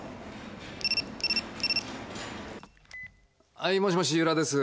・はいもしもし由良です。